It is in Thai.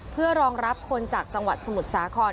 เพื่อรองรับคนจากจังหวัดสมุทรสาคร